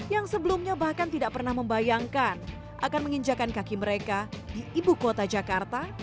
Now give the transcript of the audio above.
yang sebelumnya bahkan tidak pernah membayangkan akan menginjakan kaki mereka di ibu kota jakarta